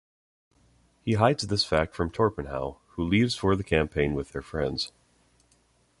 He hides this fact from Torpenhow, who leaves for the campaign with their friends.